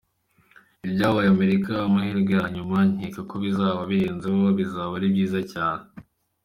Ibyabaye murika ‘Amahirwe ya Nyuma’ nkeka ko bizaba birenzeho, bizaba ari byiza cyane.